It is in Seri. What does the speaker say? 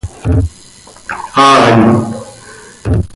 ¡Aih!